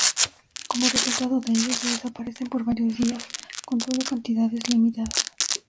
Como resultado de ello, se desaparecen por varios días, con sólo cantidades limitadas.